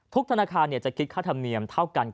ธนาคารจะคิดค่าธรรมเนียมเท่ากัน